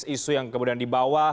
isu yang kemudian dibawa